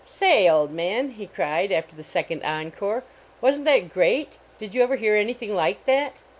Say! old man," he cried after the sec ond encore, "wasn t that great? Did you ever hear anything like that?"